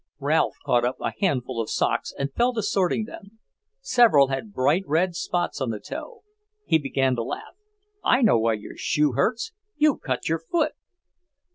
Ralph caught up a handful of socks and fell to sorting them. Several had bright red spots on the toe. He began to laugh. "I know why your shoe hurts, you've cut your foot!"